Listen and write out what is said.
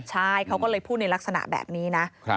ใช่เขาก็เลยพูดในลักษณะแบบนี้นะ